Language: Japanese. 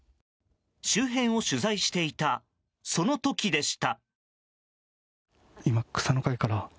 周辺を取材していたその時でした。